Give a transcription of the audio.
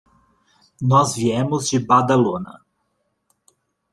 Nós viemos de Badalona.